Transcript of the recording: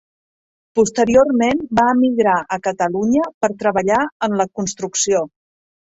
Posteriorment va emigrar a Catalunya per treballar en la construcció.